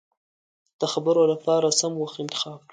د خبرو له پاره سم وخت انتخاب کړه.